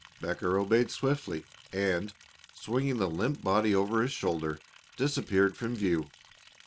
Becker obeyed swiftly, and, swinging the limp body over his shoulder, disappeared from view.